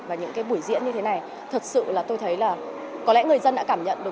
và những cái buổi diễn như thế này thật sự là tôi thấy là có lẽ người dân đã cảm nhận được